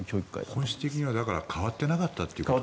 本質的には変わっていなかったと。